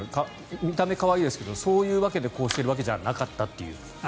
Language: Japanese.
見た目は可愛いですけどそういうのでこうしているわけじゃなかった。